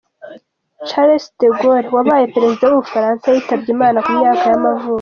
Charles de Gaulle, wabaye perezida w’ubufaransa yitabye Imana ku myaka y’amavuko.